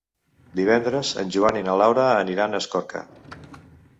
Divendres en Joan i na Laura aniran a Escorca.